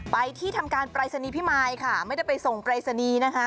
ไปที่ทำการปรายศนีย์พิมายค่ะไม่ได้ไปส่งปรายศนีย์นะคะ